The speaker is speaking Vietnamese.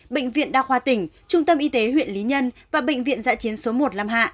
bệnh viện đa khoa tỉnh trung tâm y tế huyện lý nhân và bệnh viện dạ chiến số một làm hạ